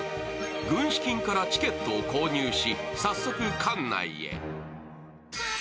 軍資金からチケットを購入し、早速館内へ。